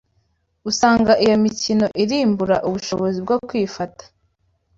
Usanga iyo mikino irimbura ubushobozi bwo kwifata